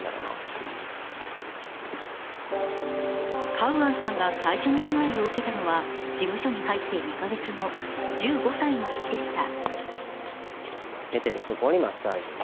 カウアンさんが最初に被害を受けたのは事務所に入って２か月後、１５歳のときでした。